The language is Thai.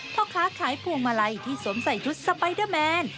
เพราะค้าขายพวงมาลัยที่สมใสทุษย์สไปเดอร์แมน